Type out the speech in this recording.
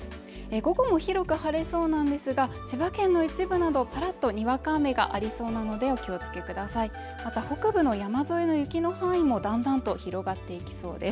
午後も広く晴れそうなんですが千葉県の一部などパラッとにわか雨がありそうなのでお気をつけくださいまた北部の山沿いの雪の範囲もだんだんと広がっていきそうです